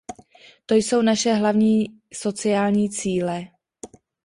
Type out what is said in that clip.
To jsou naše hlavní sociální cíle.